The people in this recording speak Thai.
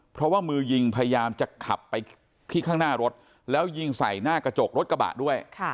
เพราะว่ามือยิงพยายามจะขับไปที่ข้างหน้ารถแล้วยิงใส่หน้ากระจกรถกระบะด้วย